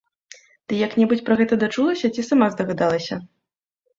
Ты як-небудзь пра гэта дачулася ці сама здагадалася?